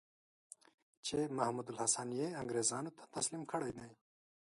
چې محمودالحسن یې انګرېزانو ته تسلیم کړی دی.